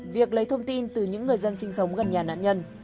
việc lấy thông tin từ những người dân sinh sống gần nhà nạn nhân